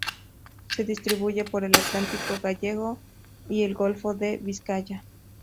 Se distribuye por el Atlántico gallego y el golfo de Vizcaya.